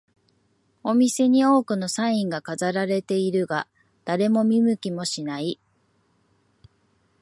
お店に多くのサインが飾られているが、誰も見向きもしない